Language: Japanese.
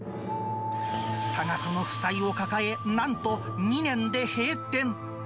多額の負債を抱え、なんと２年で閉店。